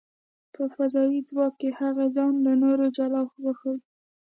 په فضايي ځواک کې، هغې ځان له نورو جلا وښود .